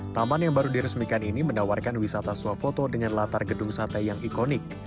taman yang baru diresmikan ini menawarkan wisata swafoto dengan latar gedung sate yang ikonik